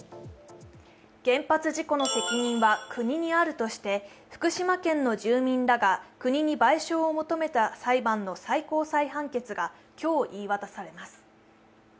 原発事故の責任は国にあるとして福島県の住民らが国に賠償を求めた裁判の最高裁判決が今日言い渡されます。